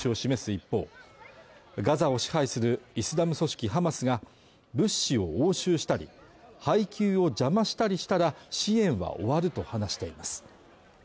一方ガザを支配するイスラム組織ハマスが物資を押収したり配給を邪魔したりしたら支援は終わると話しています